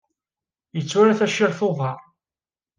Yetturar tacirt n uḍar.